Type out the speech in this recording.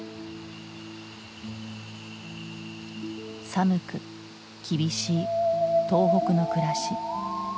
寒く厳しい東北の暮らし。